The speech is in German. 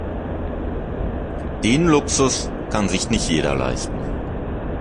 Den Luxus kann sich nicht jeder leisten.